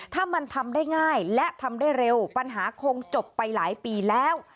ถ้ามันทำได้ง่ายและทำได้เร็วปัญหาคงจบไปหลายปีแล้ว